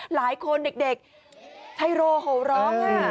หลายคนเด็กให้โรโหร้ง